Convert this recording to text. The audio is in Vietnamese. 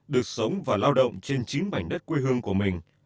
được sống và lao động trên chính mảnh đất quê hương của mình